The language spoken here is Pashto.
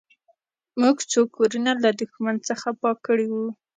موږ څو کورونه له دښمن څخه پاک کړي وو